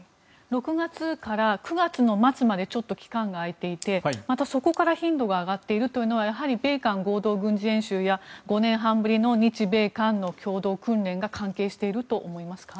６月から９月の末までちょっと期間が空いていてそこから頻度が上がっているというのは米韓合同軍事演習や５年半ぶりの日米韓の共同訓練が関係していると思いますか？